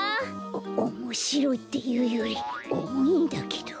おおもしろいっていうよりおもいんだけど。